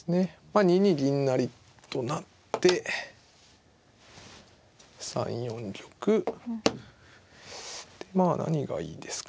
２二銀成と成って３四玉でまあ何がいいですかね。